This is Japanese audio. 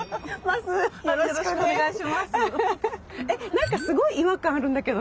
何かすごい違和感あるんだけど。